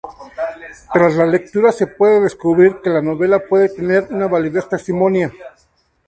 Tras la lectura se puede descubrir que la novela puede tener una validez testimonia.